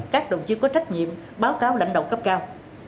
các đồng chí có trách nhiệm báo cáo lãnh đạo cấp cao